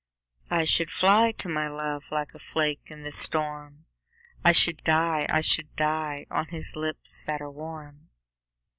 I should fly to my love Like a flake in the storm, I should die, I should die, On his lips that are warm.